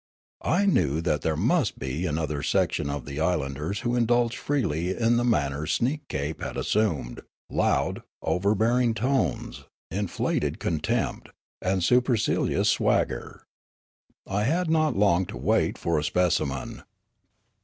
I knew that there must be another section of the islanders who indulged freely in the manner Sneekape had assumed — lond, ov^er bearing tones, inflated contempt, and supercilious swagger. I had not long to wait for a specimen.